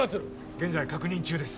現在確認中です。